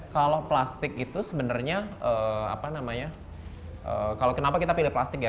kalau plastik itu sebenarnya apa namanya kalau kenapa kita pilih plastik ya